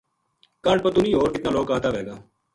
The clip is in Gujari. کاہڈ پتو نیہہ ہور کِتنا لوک آتا وھے گا